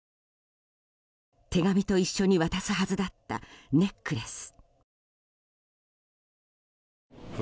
手紙と一緒に渡すはずだったネックレス。